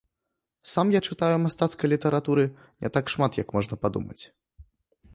Сам я чытаю мастацкай літаратуры не так шмат, як можна падумаць.